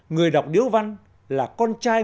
người đọc điếu văn là con trai